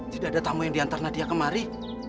tidak ada tamu yang diantar nadia kemari